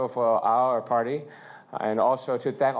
โปรดโปรดแข่งกันให้เรา